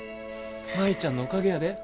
舞ちゃんのおかげやで。